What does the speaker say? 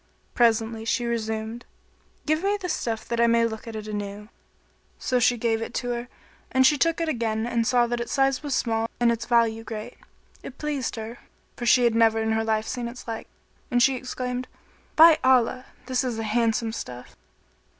Presently, she resumed, "Give me the stuff that I may look at it anew." So she gave it her and she took it again and saw that its size was small and its value great. It pleased her, for she had never in her life seen its like, and she exclaimed, "By Allah, this is a handsome stuff!"